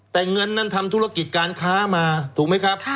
แต่เงินนั้นทำธุรกิจการค้ามาถูกไหมครับ